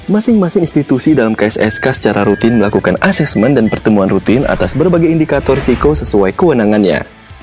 masing masing institusi dalam kssk secara rutin melakukan asesmen dan pertemuan rutin atas berbagai indikator risiko sesuai kewenangannya